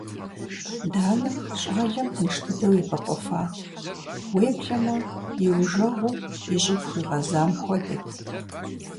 Данэ щӀалэм тынш дыдэу ебэкъуэфат, уеблэмэ иужэгъуу и щӀыб хуигъэзам хуэдэт.